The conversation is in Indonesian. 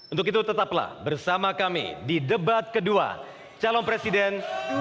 untuk itu tetaplah bersama kami di debat kedua calon presiden dua ribu sembilan belas